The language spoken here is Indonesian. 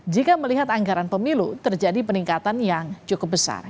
jika melihat anggaran pemilu terjadi peningkatan yang cukup besar